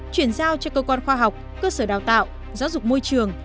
chuyển giao cho cơ quan khoa học cơ sở đào tạo giáo dục môi trường